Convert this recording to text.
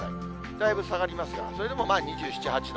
だいぶ下がりますが、それでもまあ、２７、８度。